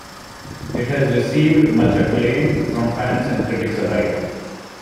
It has received much acclaim from fans and critics alike.